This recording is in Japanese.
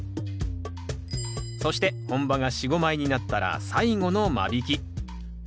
そして本葉が４５枚になったら最後の間引き。